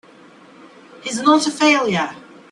He's not a failure!